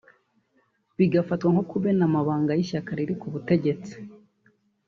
bigafatwa nko kumena amabanga y’ishyaka riri ku butegetsi